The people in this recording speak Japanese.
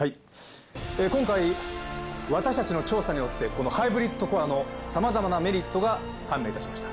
今回私たちの調査によってこのハイブリッドコアのさまざまなメリットが判明いたしました。